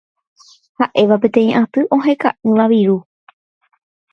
ha'éva peteĩ aty oheka'ỹva viru